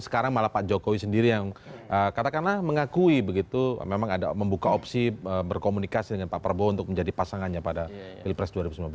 sekarang malah pak jokowi sendiri yang katakanlah mengakui begitu memang ada membuka opsi berkomunikasi dengan pak prabowo untuk menjadi pasangannya pada pilpres dua ribu sembilan belas